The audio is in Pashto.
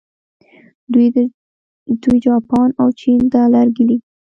دوی جاپان او چین ته لرګي لیږي.